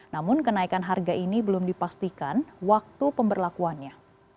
namun kenaikan harga ini belum dipastikan waktu pemberlakuannya